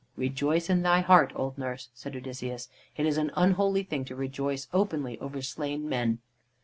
"Rejoice in thy heart, old nurse," said Odysseus. "It is an unholy thing to rejoice openly over slain men."